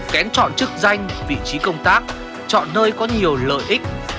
kén chọn chức danh vị trí công tác chọn nơi có nhiều lợi ích